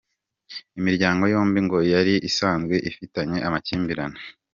Imiryango yombi ngo yari isanzwe ifitanye amakimbirane.